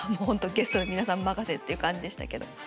ホントゲストの皆さん任せっていう感じでしたけど。